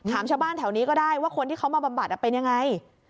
ชาวบ้านแถวนี้ก็ได้ว่าคนที่เขามาบำบัดเป็นยังไง